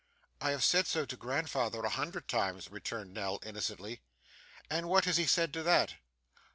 'I have said so to grandfather, a hundred times,' returned Nell innocently. 'And what has he said to that?